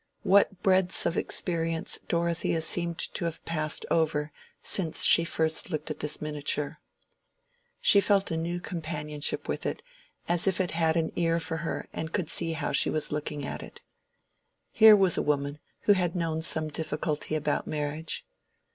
What breadths of experience Dorothea seemed to have passed over since she first looked at this miniature! She felt a new companionship with it, as if it had an ear for her and could see how she was looking at it. Here was a woman who had known some difficulty about marriage.